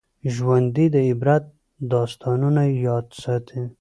ژوندي د عبرت داستانونه یاد ساتي